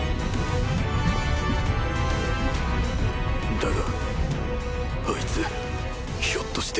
だがあいつひょっとして。